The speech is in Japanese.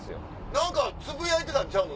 何かつぶやいてたんちゃうの？